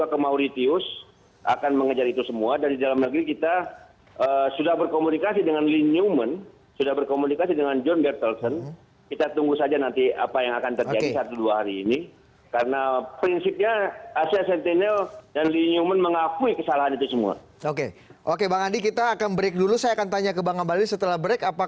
kemudian kita akan mengejar ke amerika